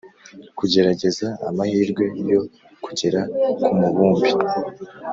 kugerageza amahirwe yo kugera ku mubumbe